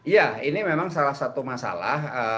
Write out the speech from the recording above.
ya ini memang salah satu masalah